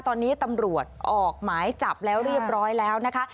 ตอนนี้ตำรวจออกหมายจับแล้วเรียบร้อยแล้วนะคะ